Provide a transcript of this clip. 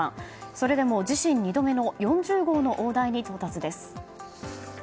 それでも自身２度目の４０号の大台に到達です。